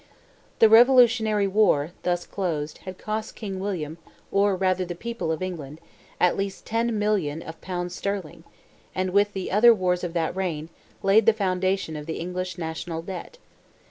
The revolutionary war, thus closed, had cost King William, or rather the people of England, at least 10,000,000 of pounds sterling, and with the other wars of that reign, laid the foundation of the English national debt.